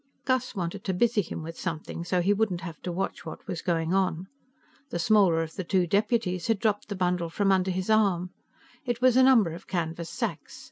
Gus wanted to busy him with something, so he wouldn't have to watch what was going on. The smaller of the two deputies had dropped the bundle from under his arm. It was a number of canvas sacks.